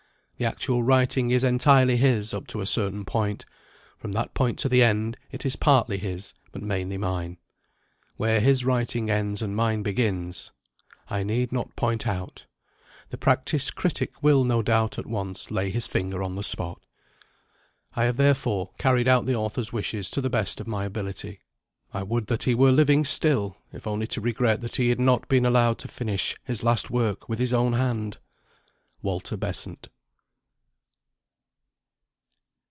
The actual writing is entirely his up to a certain point: from that point to the end it is partly his, but mainly mine. Where his writing ends and mine begins, I need not point out. The practised critic will, no doubt, at once lay his finger on the spot. I have therefore carried out the author's wishes to the best of my ability. I would that he were living still, if only to regret that he had not been allowed to finish his last work with his own hand! WALTER BESANT.